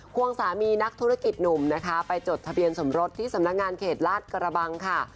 วงสามีนักธุรกิจหนุ่มนะคะไปจดทะเบียนสมรสที่สำนักงานเขตลาดกระบังค่ะ